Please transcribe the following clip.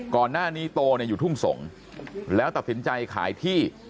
ก่อนหน้านี้โตอยู่ทุ่งสงศ์แล้วตัดสินใจขายที่